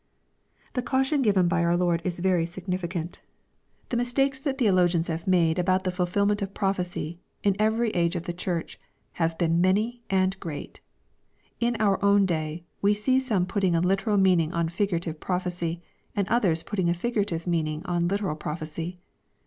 ] The caution given be oir Lord is very significant. The mistakes that theologians have mado 860 EXPOSITORY THOUGHTS. about the falfilmcnt of prophecy, m every age of the Church, have boea many and great. In our own day we see some putting a literal meaning on figurative prophecy, and others putting a figurative meaning on literal prophecy.